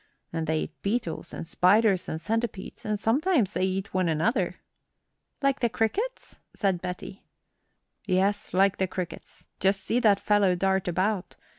And they eat beetles and spiders and centipedes. And sometimes they eat one another." "Like the crickets?" said Betty. "Yes, like the crickets. Just see that fellow dart about.